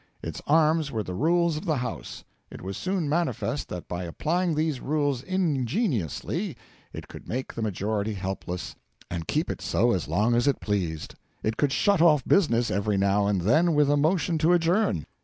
Its arms were the Rules of the House. It was soon manifest that by applying these Rules ingeniously it could make the majority helpless, and keep it so as long as it pleased. It could shut off business every now and then with a motion to adjourn.